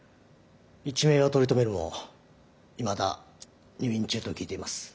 一命は取り留めるもいまだ入院中と聞いています。